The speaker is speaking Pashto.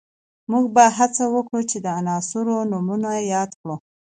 موږ به هڅه وکړو چې د عناصرو نومونه یاد کړو